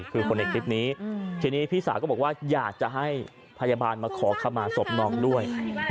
คือคนในคลิปนี้ทีนี้พี่สาวก็บอกว่าอยากจะให้พยาบาลมาขอขมาศพน้องด้วย